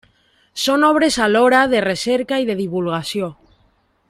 Són obres alhora de recerca i de divulgació.